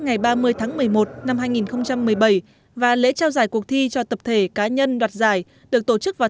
ngày ba mươi tháng một mươi một năm hai nghìn một mươi bảy và lễ trao giải cuộc thi cho tập thể cá nhân đoạt giải được tổ chức vào